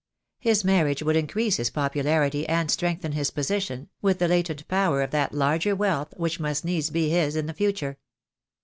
His marriage would increase his popularity and strengthen his position, with the latent power of that larger wealth which must needs be his in the future.